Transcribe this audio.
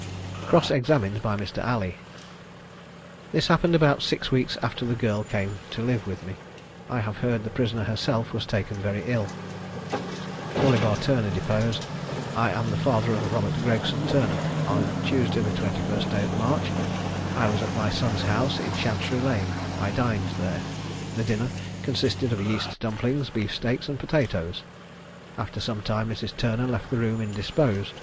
Cross examined by Mr. Alley. This happened about six weeks after the girl came to live with me. I have heard the prisoner herself was taken very ill. Orlibar Turner deposed I am the father of Robert Gregson Turner. On Tuesday, the 21st day of March, I was at my son's house in Chancery lane: I dined there. The dinner consisted of yeast dumplings, beef steaks, and potatoes. After some time Mrs. Turner left the room indisposed.